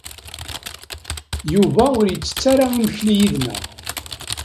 Yuba ur yettett ara imekli yid-neɣ.